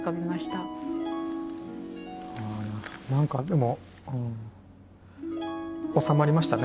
何かでも収まりましたね。